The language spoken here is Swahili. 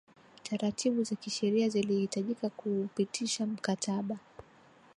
taratibu za kisheria zilihitajika kuupitisha mkataba